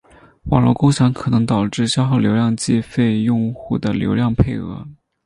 网络共享可能导致消耗流量计费用户的流量配额。